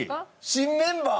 新メンバー？